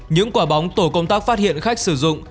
những quả bóng tổ công tác phát hiện khách sử dụng